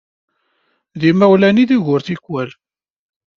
D imawlan i d ugur tikwal.